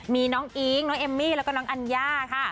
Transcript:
มีน้องอีกน้องเอมมี่และน้องอัเนีย